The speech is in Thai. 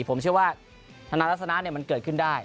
ผมเชื่อว่าธนาลักษณะมันเกิดขึ้นได้